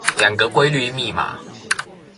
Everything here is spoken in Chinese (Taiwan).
兩個規律密碼